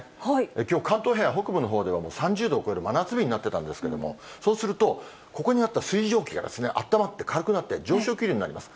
きょう、関東平野、北部のほうは３０度を超える真夏日になってたんですけれども、そうすると、ここにあった水蒸気があったまって軽くなって、上昇気流になります。